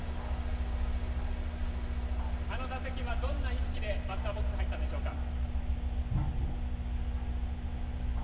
あの打席はどんな意識でバッターボックスに入ったんでしょうか。